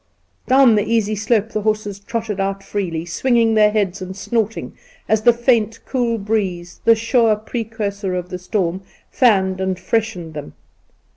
Down the easy slope the horses trotted out freely, swinging their heads and snorting as the faint, cool breeze, the sure" precursor of the storm, fanned and freshened them.